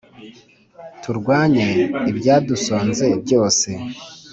turwanye ibyadusonze byose